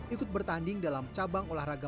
ikut bertanding dalam cabang olahraga